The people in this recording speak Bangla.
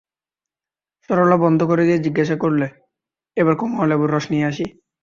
সরলা বন্ধ করে দিয়ে জিজ্ঞাসা করলে, এইবার কমলালেবুর রস নিয়ে আসি।